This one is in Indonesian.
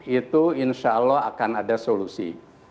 itu insya allah akan ada solusi